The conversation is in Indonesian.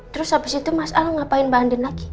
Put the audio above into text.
terus abis itu mas al ngapain mbak andi lagi